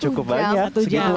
cukup banyak segitu aja